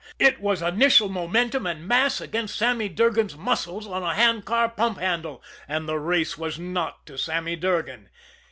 It was initial momentum and mass against Sammy Durgan's muscles on a handcar pump handle and the race was not to Sammy Durgan.